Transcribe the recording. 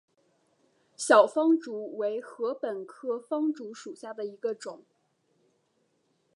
小方竹为禾本科方竹属下的一个种。